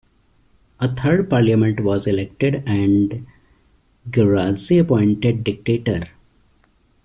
A third parliament was elected and Guerrazzi appointed dictator.